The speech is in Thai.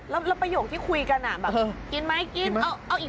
แล้วประโยคที่คุยกันอ่ะแบบกินไหมกินเอาอีก